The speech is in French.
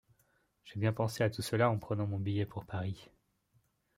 J'ai bien pensé à tout cela en prenant mon billet pour Paris.